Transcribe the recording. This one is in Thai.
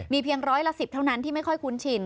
เพียงร้อยละ๑๐เท่านั้นที่ไม่ค่อยคุ้นชิน